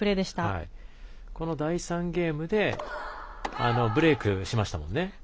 この第３ゲームでブレークしましたものね。